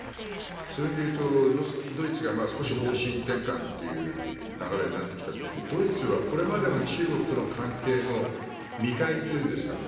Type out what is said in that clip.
そういう意味で言うとドイツが少し方針転換という流れになってきたとしてドイツはこれまでの中国との関係の見返りというんですかね